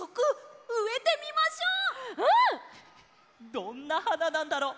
どんなはななんだろう？